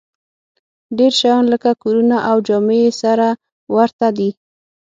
ډېر شیان لکه کورونه او جامې یې سره ورته دي